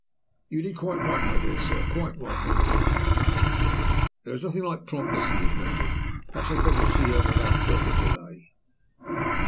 "You did quite right, my dear sir, quite right," the medico replied. "There is nothing like promptness in these matters. Perhaps I had better see her without further delay."